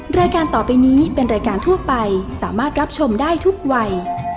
รายการต่อไปนี้เป็นรายการทั่วไปสามารถรับชมได้ทุกวัย